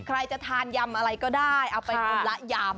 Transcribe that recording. ใครจะทานยำอะไรก็ได้เอาไปคนละยำ